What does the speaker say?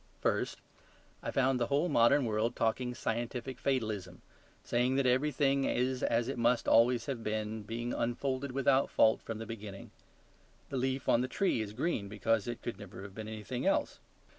First, I found the whole modern world talking scientific fatalism; saying that everything is as it must always have been, being unfolded without fault from the beginning. The leaf on the tree is green because it could never have been anything else.